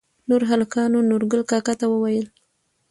نوور هلکانو نورګل کاکا ته وويل